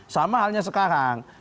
sama halnya sekarang